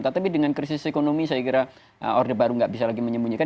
tapi dengan krisis ekonomi saya kira orde baru nggak bisa lagi menyembunyikan